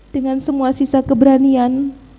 dengan semua sisa keberanian